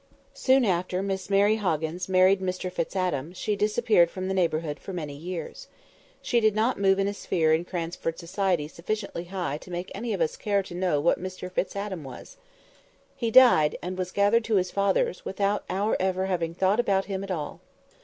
Soon after Miss Mary Hoggins married Mr Fitz Adam, she disappeared from the neighbourhood for many years. She did not move in a sphere in Cranford society sufficiently high to make any of us care to know what Mr Fitz Adam was. He died and was gathered to his fathers without our ever having thought about him at all.